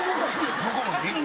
向こうに？